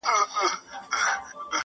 چي مي لاستی له خپل ځانه دی نړېږم.!